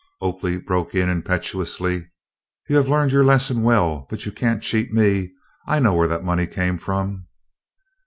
Oakley broke in impetuously. "You have learned your lesson well, but you can't cheat me. I know where that money came from."